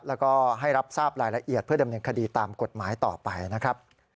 แล้วก็ให้รับทราบรายละเอียดเพื่อดำเนินคดีตามกฎหมายต่อไปนะครับ